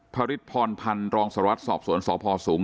ภริษพรพันธ์รองสรวรรษสอบสวนสภพศวงศ์